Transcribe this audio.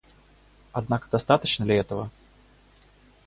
Однако достаточно ли этого?